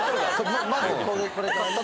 まずこれからね。